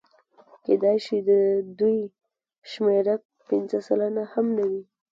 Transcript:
کېدای شي د دوی شمېره پنځه سلنه هم نه وي